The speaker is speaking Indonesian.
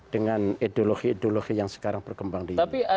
dengan ideologi ideologi yang sekarang berkembang di indonesia